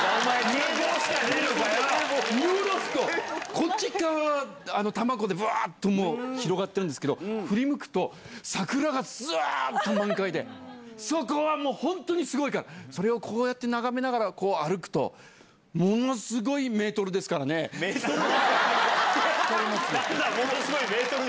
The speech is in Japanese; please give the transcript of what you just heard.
見下ろすと、こっち側は多摩湖でぶわーっともう広がってるんですけど、振り向くと、桜がずらーっと満開で、そこはもう本当にすごいから、それをこうやって眺めながら歩くと、ものすごいメートルですからメートル？